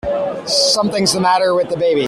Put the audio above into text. Something's the matter with the baby!